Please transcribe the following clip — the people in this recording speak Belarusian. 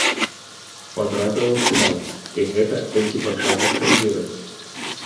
Патрапіла ў фінал, і гэта толькі пачатак кар'еры.